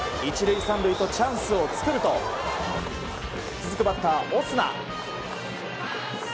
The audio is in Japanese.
１塁３塁とチャンスを作ると続くバッター、オスナ。